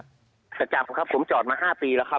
จะจับครับผมจอดมา๕ปีแล้วครับ